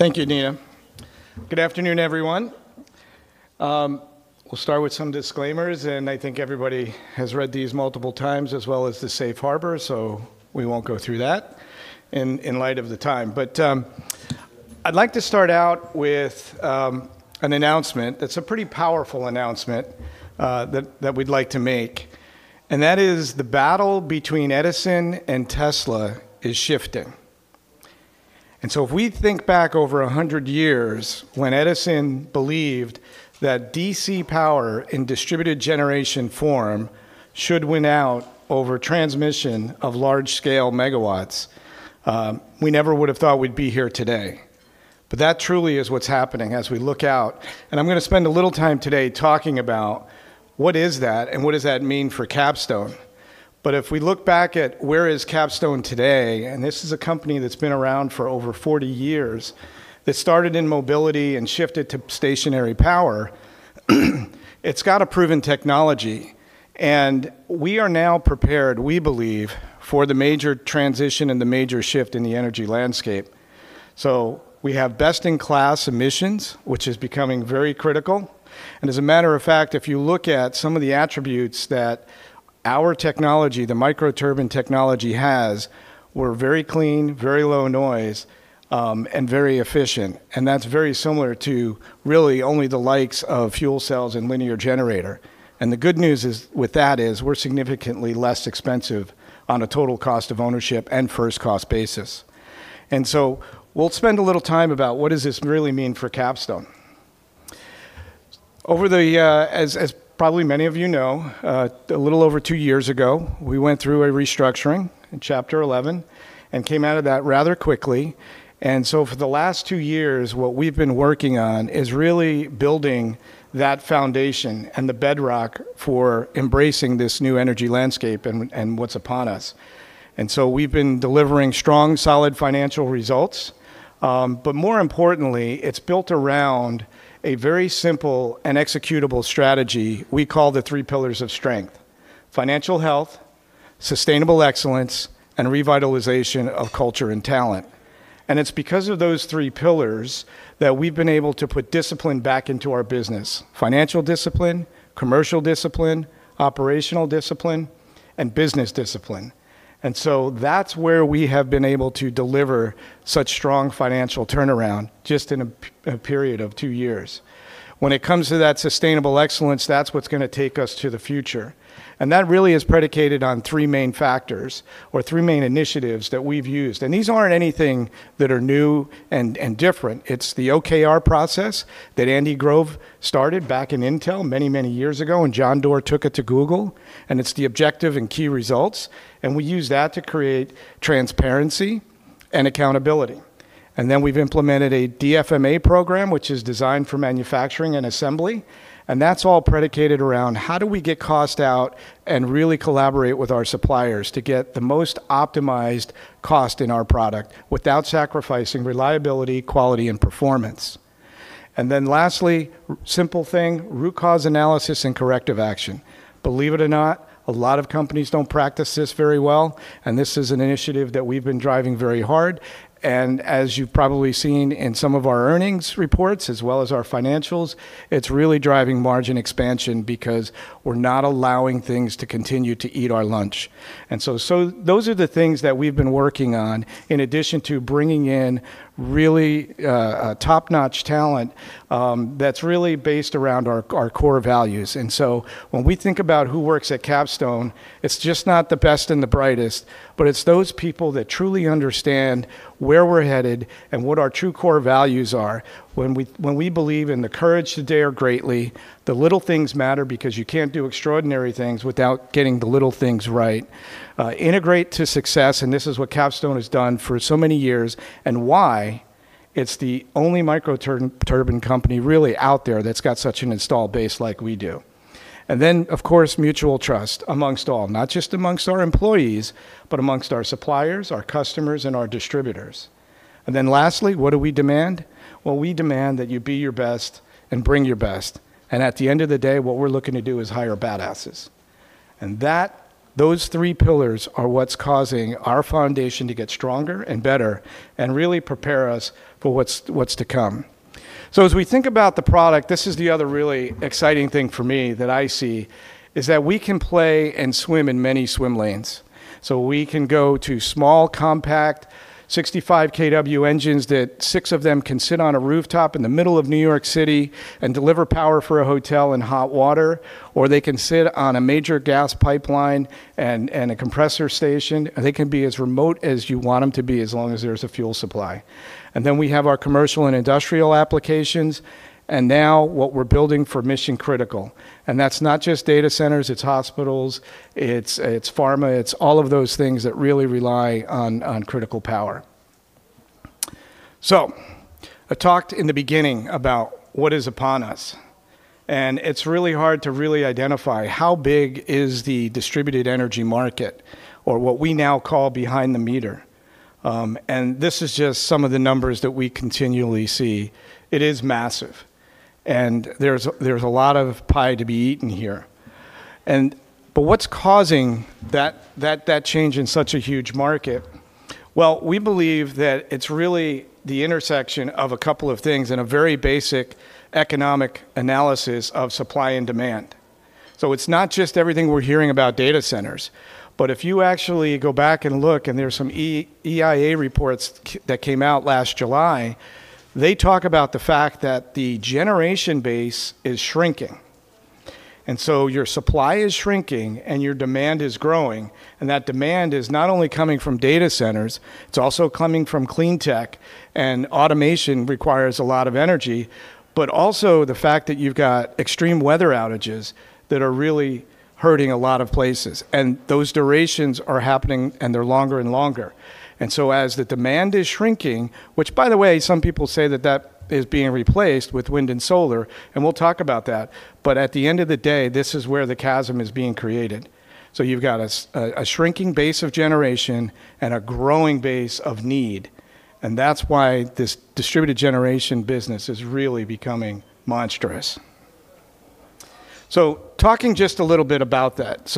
Thank you, Nia. Good afternoon, everyone. We'll start with some disclaimers, and I think everybody has read these multiple times as well as the safe harbor, so we won't go through that in light of the time. I'd like to start out with an announcement that's a pretty powerful announcement that we'd like to make, and that is the battle between Edison and Tesla is shifting. If we think back over 100 years when Edison believed that DC power in distributed generation form should win out over transmission of large-scale megawatts, we never would have thought we'd be here today. That truly is what's happening as we look out. I'm going to spend a little time today talking about what is that and what does that mean for Capstone. If we look back at where is Capstone today, and this is a company that's been around for over 40 years, that started in mobility and shifted to stationary power, it's got a proven technology, and we are now prepared, we believe, for the major transition and the major shift in the energy landscape. We have best-in-class emissions, which is becoming very critical. As a matter of fact, if you look at some of the attributes that our technology, the microturbine technology has, we're very clean, very low noise, and very efficient, and that's very similar to really only the likes of fuel cells and linear generator. The good news is, with that is we're significantly less expensive on a total cost of ownership and first cost basis. We'll spend a little time about what does this really mean for Capstone. Over the, as probably many of you know, a little over two years ago, we went through a restructuring, Chapter 11, and came out of that rather quickly. So for the last two years, what we've been working on is really building that foundation and the bedrock for embracing this new energy landscape and what's upon us. So we've been delivering strong, solid financial results. More importantly, it's built around a very simple and executable strategy we call the Three Pillars of Strength, financial health, sustainable excellence, and revitalization of culture and talent. It's because of those three pillars that we've been able to put discipline back into our business, financial discipline, commercial discipline, operational discipline, and business discipline. That's where we have been able to deliver such strong financial turnaround just in a period of two years. When it comes to that sustainable excellence, that's what's going to take us to the future. That really is predicated on three main factors or three main initiatives that we've used. These aren't anything that are new and different. It's the OKR process that Andy Grove started back in Intel many years ago, and John Doerr took it to Google, and it's the Objectives and Key Results, and we use that to create transparency and accountability. We've implemented a DFMA program, which is Design for Manufacturing and Assembly, and that's all predicated around how do we get cost out and really collaborate with our suppliers to get the most optimized cost in our product without sacrificing reliability, quality, and performance. Lastly, simple thing, root cause analysis and corrective action. Believe it or not, a lot of companies don't practice this very well, and this is an initiative that we've been driving very hard. As you've probably seen in some of our earnings reports as well as our financials, it's really driving margin expansion because we're not allowing things to continue to eat our lunch. So those are the things that we've been working on in addition to bringing in really top-notch talent that's really based around our core values. When we think about who works at Capstone, it's just not the best and the brightest, but it's those people that truly understand where we're headed and what our true core values are. When we believe in the courage to dare greatly, the little things matter because you can't do extraordinary things without getting the little things right. Integrate to success, this is what Capstone has done for so many years and why it's the only microturbine company really out there that's got such an install base like we do. Then, of course, mutual trust amongst all, not just amongst our employees, but amongst our suppliers, our customers, and our distributors. Then lastly, what do we demand? Well, we demand that you be your best and bring your best. At the end of the day, what we're looking to do is hire badasses. Those three pillars are what's causing our foundation to get stronger and better and really prepare us for what's to come. As we think about the product, this is the other really exciting thing for me that I see, is that we can play and swim in many swim lanes. We can go to small, compact 65 kW engines that six of them can sit on a rooftop in the middle of New York City and deliver power for a hotel and hot water, or they can sit on a major gas pipeline and a compressor station. They can be as remote as you want them to be as long as there's a fuel supply. We have our commercial and industrial applications, and now what we're building for mission-critical. That's not just data centers, it's hospitals, it's pharma, it's all of those things that really rely on critical power. I talked in the beginning about what is upon us, and it's really hard to really identify how big is the distributed energy market or what we now call behind the meter. This is just some of the numbers that we continually see. It is massive, and there's a lot of pie to be eaten here. What's causing that change in such a huge market? Well, we believe that it's really the intersection of a couple of things and a very basic economic analysis of supply and demand. It's not just everything we're hearing about data centers, but if you actually go back and look, and there's some EIA reports that came out last July, they talk about the fact that the generation base is shrinking. Your supply is shrinking and your demand is growing, and that demand is not only coming from data centers, it's also coming from clean tech, and automation requires a lot of energy. Also the fact that you've got extreme weather outages that are really hurting a lot of places, and those durations are happening, and they're longer and longer. As the demand is shrinking, which by the way, some people say that that is being replaced with wind and solar, and we'll talk about that, but at the end of the day, this is where the chasm is being created. You've got a shrinking base of generation and a growing base of need, and that's why this distributed generation business is really becoming monstrous. Talking just a little bit about that.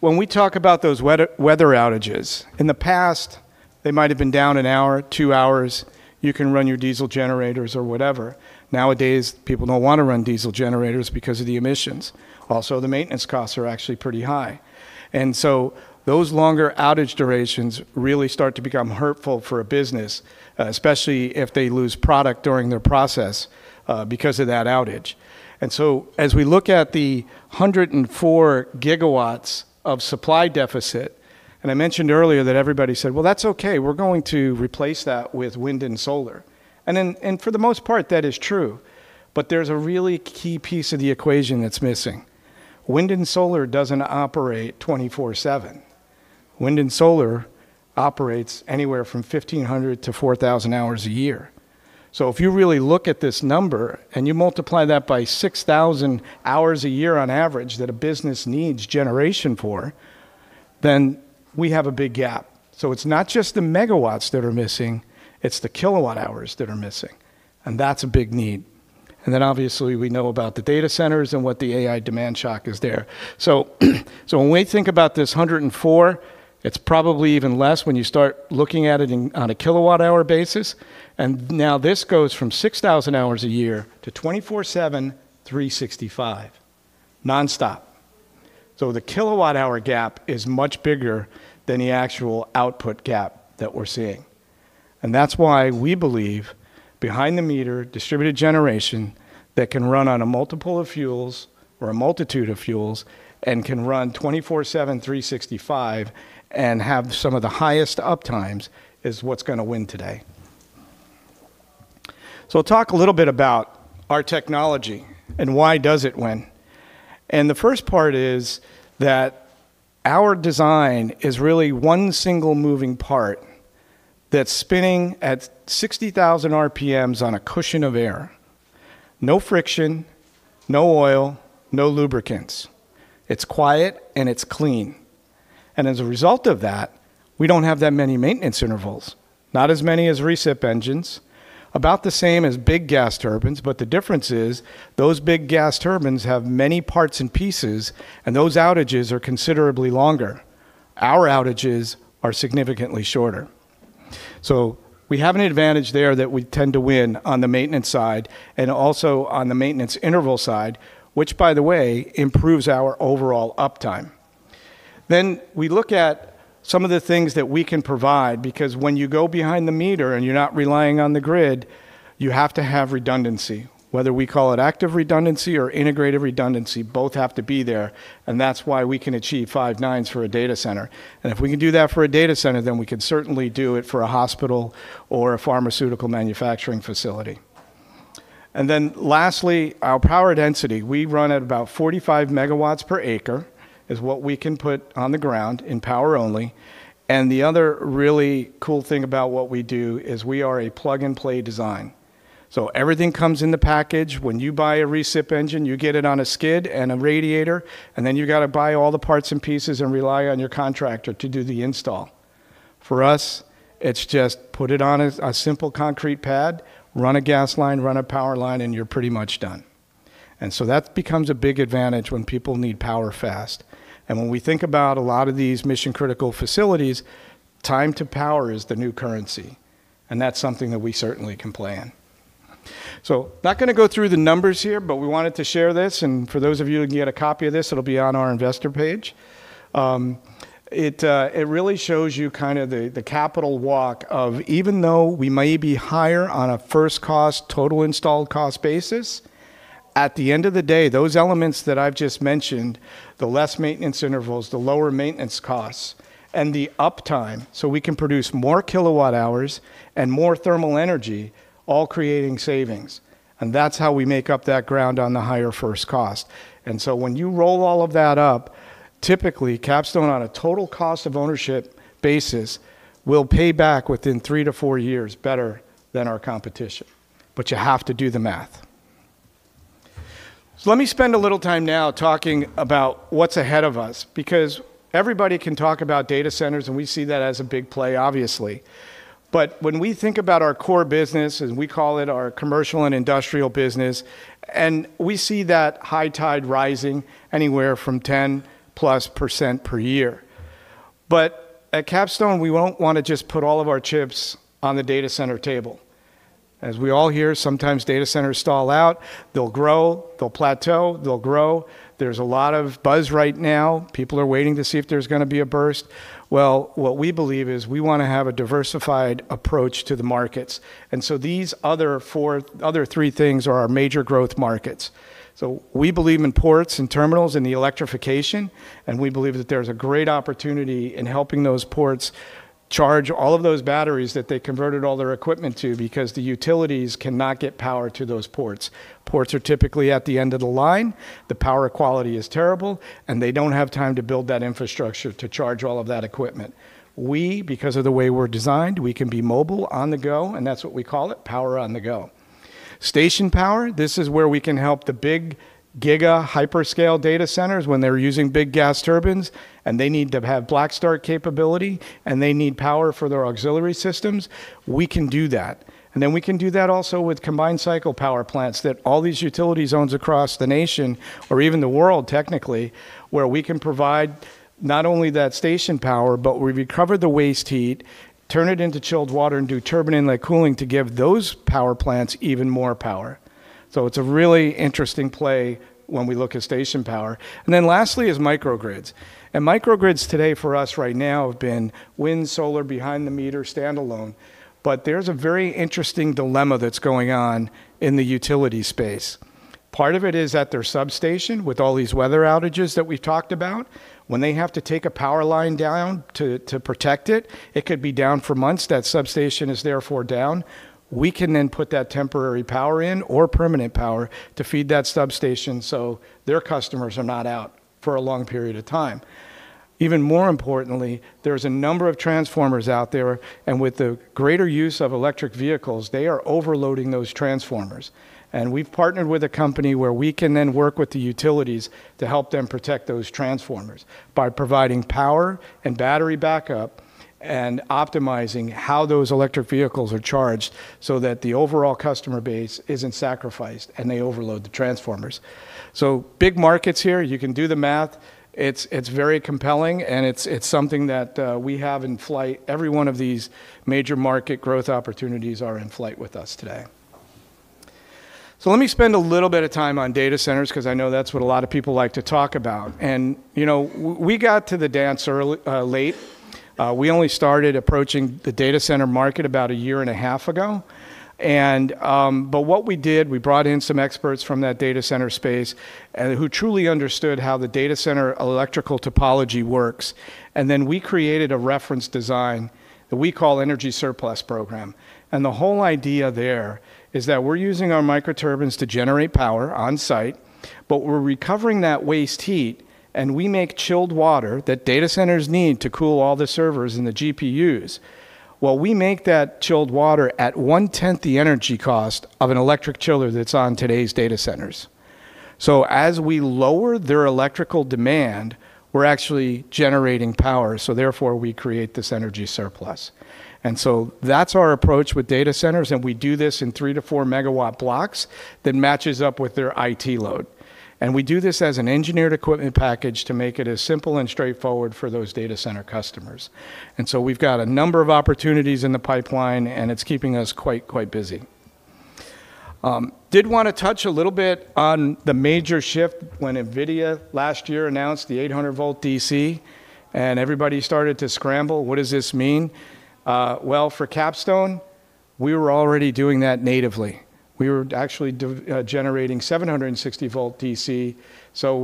When we talk about those weather outages, in the past, they might have been down one hour, two hours. You can run your diesel generators or whatever. Nowadays, people don't wanna run diesel generators because of the emissions. Also, the maintenance costs are actually pretty high. Those longer outage durations really start to become hurtful for a business, especially if they lose product during their process because of that outage. As we look at the 104 GW of supply deficit, I mentioned earlier that everybody said, "Well, that's okay. We're going to replace that with wind and solar." For the most part, that is true, but there's a really key piece of the equation that's missing. Wind and solar doesn't operate 24/7. Wind and solar operates anywhere from 1,500-4,000 hours a year. If you really look at this number and you multiply that by 6,000 hours a year on average that a business needs generation for, then we have a big gap. It's not just the megawatts that are missing, it's the kilowatt hours that are missing, and that's a big need. Obviously, we know about the data centers and what the AI demand shock is there. When we think about this 104 GW, it's probably even less when you start looking at it in, on a kilowatt hour basis. Now this goes from 6,000 hours a year to 24/7, 365, nonstop. The kilowatt hour gap is much bigger than the actual output gap that we're seeing. That's why we believe behind the meter distributed generation that can run on a multiple of fuels or a multitude of fuels and can run 24/7, 365 and have some of the highest uptimes is what's going to win today. Talk a little bit about our technology and why does it win? The first part is that our design is really one single moving part that's spinning at 60,000 RPMs on a cushion of air. No friction, no oil, no lubricants. It's quiet and it's clean. As a result of that, we don't have that many maintenance intervals, not as many as recip engines, about the same as big gas turbines, but the difference is those big gas turbines have many parts and pieces, and those outages are considerably longer. Our outages are significantly shorter. We have an advantage there that we tend to win on the maintenance side and also on the maintenance interval side, which by the way, improves our overall uptime. We look at some of the things that we can provide because when you go behind the meter and you're not relying on the grid, you have to have redundancy. Whether we call it active redundancy or integrated redundancy, both have to be there, and that's why we can achieve five nines for a data center. If we can do that for a data center, then we can certainly do it for a hospital or a pharmaceutical manufacturing facility. Lastly, our power density. We run at about 45 MW per acre, is what we can put on the ground in power only. The other really cool thing about what we do is we are a plug-and-play design. Everything comes in the package. When you buy a recip engine, you get it on a skid and a radiator, you got to buy all the parts and pieces and rely on your contractor to do the install. For us, it's just put it on a simple concrete pad, run a gas line, run a power line, and you're pretty much done. That becomes a big advantage when people need power fast. When we think about a lot of these mission-critical facilities, time to power is the new currency, and that's something that we certainly can plan. Not going to go through the numbers here, but we wanted to share this, and for those of you who can get a copy of this, it will be on our investor page. It really shows you kind of the capital walk of even though we may be higher on a first cost, total installed cost basis, at the end of the day, those elements that I've just mentioned, the less maintenance intervals, the lower maintenance costs, and the uptime, so we can produce more kilowatt hours and more thermal energy, all creating savings. That's how we make up that ground on the higher first cost. When you roll all of that up, typically, Capstone on a Total Cost of Ownership basis will pay back within three to four years better than our competition. You have to do the math. Let me spend a little time now talking about what's ahead of us because everybody can talk about data centers, and we see that as a big play, obviously. When we think about our core business, as we call it, our commercial and industrial business, and we see that high tide rising anywhere from 10+% per year. At Capstone, we won't wanna just put all of our chips on the data center table. As we all hear, sometimes data centers stall out. They'll grow, they'll plateau, they'll grow. There's a lot of buzz right now. People are waiting to see if there's going to be a burst. What we believe is we wanna have a diversified approach to the markets. These other four-- other three things are our major growth markets. We believe in ports and terminals and the electrification. We believe that there's a great opportunity in helping those ports charge all of those batteries that they converted all their equipment to because the utilities cannot get power to those ports. Ports are typically at the end of the line, the power quality is terrible, and they don't have time to build that infrastructure to charge all of that equipment. We, because of the way we're designed, we can be mobile on the go, and that's what we call it, Power on the Go. Station Power, this is where we can help the big giga hyperscale data centers when they're using big gas turbines, and they need to have black start capability, and they need power for their auxiliary systems. We can do that. We can do that also with combined cycle power plants that all these utility zones across the nation or even the world, technically, where we can provide not only that station power, but we recover the waste heat, turn it into chilled water, and do turbine inlet cooling to give those power plants even more power. It's a really interesting play when we look at station power. Lastly is microgrids. Microgrids today for us right now have been wind, solar, behind the meter, standalone, but there's a very interesting dilemma that's going on in the utility space. Part of it is at their substation with all these weather outages that we've talked about. When they have to take a power line down to protect it could be down for months. That substation is therefore down. We can then put that temporary power in or permanent power to feed that substation, so their customers are not out for a long period of time. Even more importantly, there's a number of transformers out there, and with the greater use of electric vehicles, they are overloading those transformers. We've partnered with a company where we can then work with the utilities to help them protect those transformers by providing power and battery backup and optimizing how those electric vehicles are charged so that the overall customer base isn't sacrificed, and they overload the transformers. Big markets here, you can do the math. It's very compelling, and it's something that we have in flight. Every one of these major market growth opportunities are in flight with us today. Let me spend a little bit of time on data centers 'cause I know that's what a lot of people like to talk about. You know, we got to the dance late. We only started approaching the data center market about 1.5 year ago. But what we did, we brought in some experts from that data center space, who truly understood how the data center electrical topology works. Then we created a reference design that we call Energy Surplus Program. The whole idea there is that we're using our microturbines to generate power on-site, but we're recovering that waste heat, and we make chilled water that data centers need to cool all the servers and the GPUs. We make that chilled water at 1/10 the energy cost of an electric chiller that's on today's data centers. As we lower their electrical demand, we're actually generating power, therefore, we create this energy surplus. That's our approach with data centers, and we do this in 3 MW-4 MW blocks that matches up with their IT load. We do this as an engineered equipment package to make it as simple and straightforward for those data center customers. We've got a number of opportunities in the pipeline, and it's keeping us quite busy. Did wanna touch a little bit on the major shift when NVIDIA last year announced the 800-volt DC, and everybody started to scramble, "What does this mean?" Well, for Capstone, we were already doing that natively. We were actually generating 760-volt DC.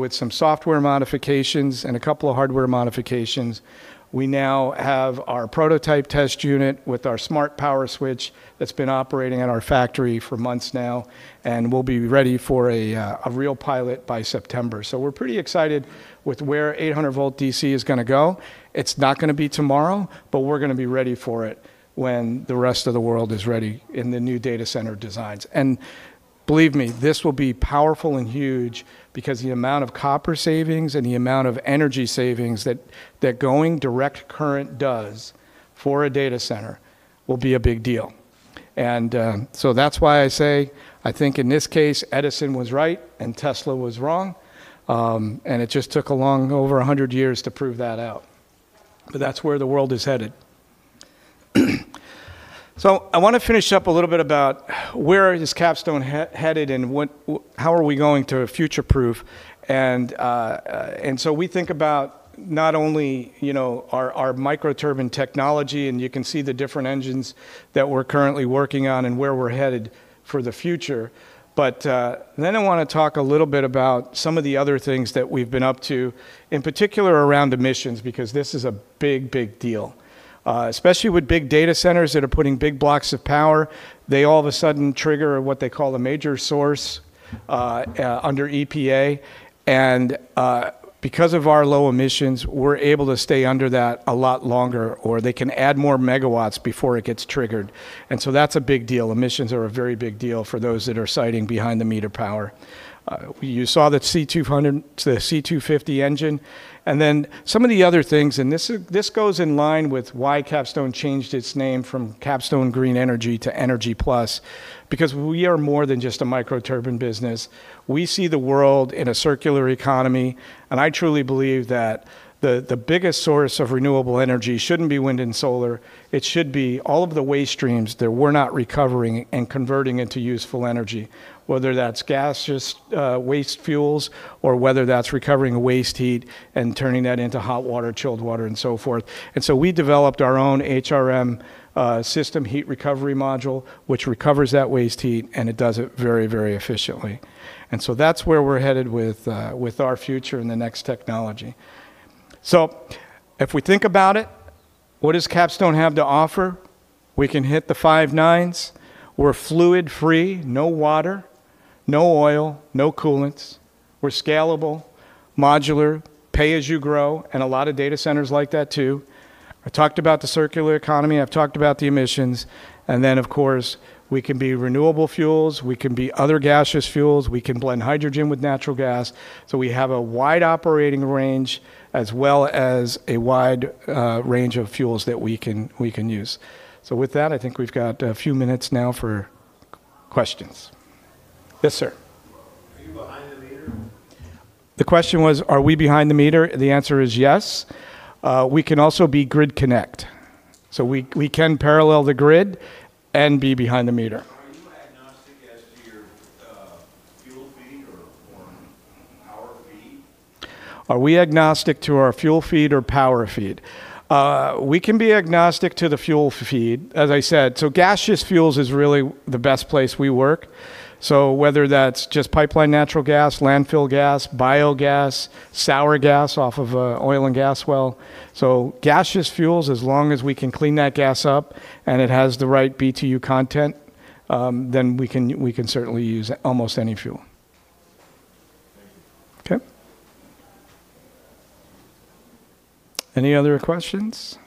With some software modifications and a couple of hardware modifications, we now have our prototype test unit with our Smart Power Switch that's been operating at our factory for months now, and we'll be ready for a real pilot by September. We're pretty excited with where 800-volt DC is going to go. It's not going to be tomorrow, but we're going to be ready for it when the rest of the world is ready in the new data center designs. Believe me, this will be powerful and huge because the amount of copper savings and the amount of energy savings that going direct current does for a data center will be a big deal. So that's why I say I think in this case, Edison was right and Tesla was wrong. It just took a long over 100 years to prove that out. That's where the world is headed. I want to finish up a little bit about where is Capstone headed and how are we going to future-proof. We think about not only, you know, our microturbine technology, and you can see the different engines that we're currently working on and where we're headed for the future. Then I want to talk a little bit about some of the other things that we've been up to, in particular around emissions, because this is a big, big deal. Especially with big data centers that are putting big blocks of power, they all of a sudden trigger what they call a major source under EPA. Because of our low emissions, we're able to stay under that a lot longer, or they can add more megawatts before it gets triggered. That's a big deal. Emissions are a very big deal for those that are siting behind-the-meter power. You saw that C200, the C250 engine. Some of the other things, this goes in line with why Capstone changed its name from Capstone Green Energy to Capstone Energy+, because we are more than just a microturbine business. We see the world in a circular economy, and I truly believe that the biggest source of renewable energy shouldn't be wind and solar. It should be all of the waste streams that we're not recovering and converting into useful energy, whether that's gaseous, waste fuels, or whether that's recovering waste heat and turning that into hot water, chilled water, and so forth. We developed our own HRM, system, Heat Recovery Module, which recovers that waste heat, and it does it very efficiently. That's where we're headed with our future and the next technology. If we think about it, what does Capstone have to offer? We can hit the five nines. We're fluid free, no water, no oil, no coolants. We're scalable, modular, pay as you grow, and a lot of data centers like that too. I talked about the circular economy, I've talked about the emissions, and then of course, we can be renewable fuels, we can be other gaseous fuels, we can blend hydrogen with natural gas. We have a wide operating range as well as a wide range of fuels that we can use. With that, I think we've got a few minutes now for questions. Yes, sir. Are you behind the meter? The question was, are we behind the meter? The answer is yes. We can also be grid connect. We can parallel the grid and be behind the meter. Are you agnostic as to your fuel feed or power feed? Are we agnostic to our fuel feed or power feed? We can be agnostic to the fuel feed, as I said. Gaseous fuels is really the best place we work. Whether that's just pipeline natural gas, landfill gas, biogas, sour gas off of an oil and gas well. Gaseous fuels, as long as we can clean that gas up and it has the right BTU content, then we can certainly use almost any fuel. Thank you. Okay. Any other questions?